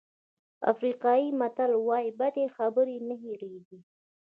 افریقایي متل وایي بدې خبرې نه هېرېږي.